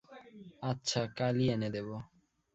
আচ্ছা কালই এনে দেব।